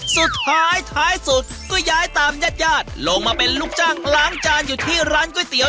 สุดท้ายท้ายสุดก็ย้ายตามญาติญาติลงมาเป็นลูกจ้างล้างจานอยู่ที่ร้านก๋วยเตี๋ย